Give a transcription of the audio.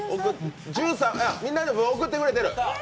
みんなの分送ってくれてる。